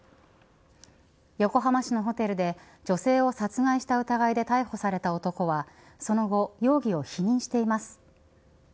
横浜市のホテルで女性を殺害した疑いで逮捕された男はその後、容疑を否認しています。